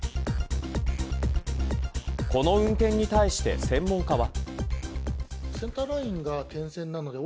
この運転に対して専門家は。